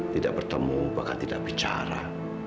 tidak bertemu bahkan tidak bicara